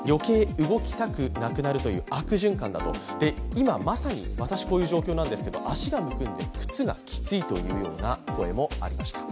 今まさに私、こういう状況なんですけど、足がむくんで、靴がきついという声もありました。